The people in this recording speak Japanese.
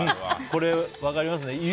これ、分かりますね。